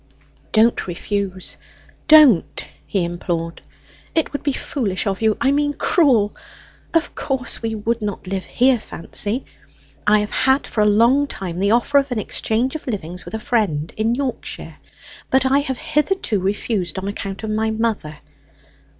"Don't refuse; don't," he implored. "It would be foolish of you I mean cruel! Of course we would not live here, Fancy. I have had for a long time the offer of an exchange of livings with a friend in Yorkshire, but I have hitherto refused on account of my mother.